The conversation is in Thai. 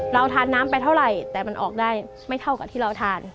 เราทานน้ำไปเท่าไหร่แต่มันออกได้ไม่เท่ากับที่เราทาน